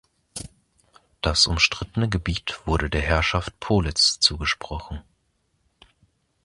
Das umstrittene Gebiet wurde der Herrschaft Politz zugesprochen.